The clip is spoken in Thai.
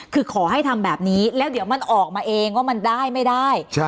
คือขอให้ทำแบบนี้แล้วเดี๋ยวมันออกมาเองว่ามันได้ไม่ได้